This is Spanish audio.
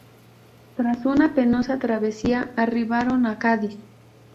Tras una penosa travesía arribaron a Cádiz.